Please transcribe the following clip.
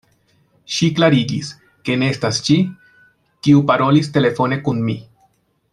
Ŝi klarigis, ke ne estas ŝi, kiu parolis telefone kun mi.